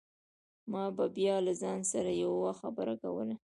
ما به بيا له ځان سره يوه خبره کوله.